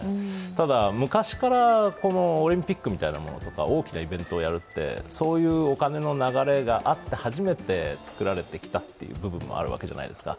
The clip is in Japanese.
ただ、昔からこのオリンピックみたいなものとか大きなイベントをやるって、そういうお金の流れがあって初めて作られてきたというのがあるじゃないですか。